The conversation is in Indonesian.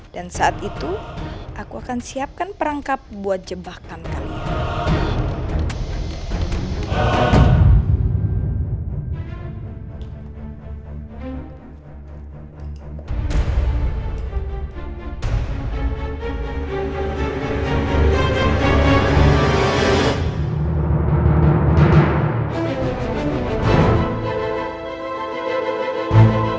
dan saat itu aku akan siapkan perangkap buat jebakan kalian